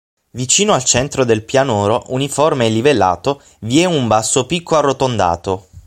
Vicino al centro del pianoro, uniforme e livellato, vi è un basso picco arrotondato.